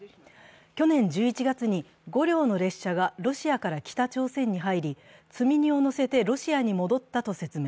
去年１１月に５両の列車がロシアから北朝鮮に入り積み荷を載せてロシアに戻ったと説明。